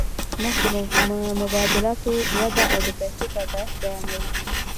موږ د مبادلاتو وده او د پیسو پیدایښت بیانوو